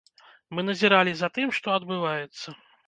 Мы назіралі за тым, што адбываецца.